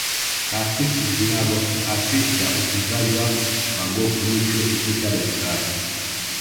taasisi zinazohasisha utunzaji wa magofu ni chuo Kikuu cha dar es salaam